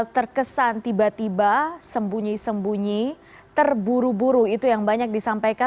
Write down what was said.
terkesan tiba tiba sembunyi sembunyi terburu buru itu yang banyak disampaikan